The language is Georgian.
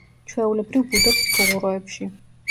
ჩვეულებრივ ბუდობს ფუღუროებში.